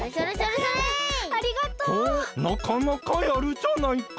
ほうなかなかやるじゃないか！